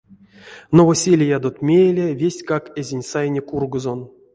Новоселиядот мейле вестькак эзинь сайне кургозон.